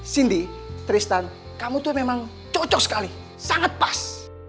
cindy tristan kamu tuh memang cocok sekali sangat pas